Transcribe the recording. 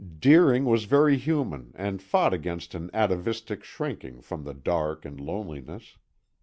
Deering was very human and fought against an atavistic shrinking from the dark and loneliness.